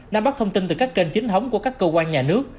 nắm bắt thông tin từ các kênh chính thống của các cơ quan nhà nước